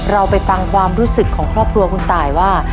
เราไปฟังความรู้สึกของครอบครัวคุณตายว่า